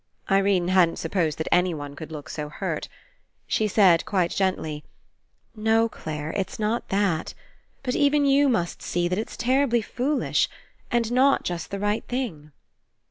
Irene hadn't supposed that anyone could look so hurt. She said, quite gently, "No, Clare, it's not that. But even you must see that it's terribly foolish, and not just the right thing."